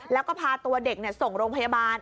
แล้วก็พาตัวเด็กส่งโรงพยาบาล